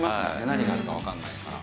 何があるかわかんないから。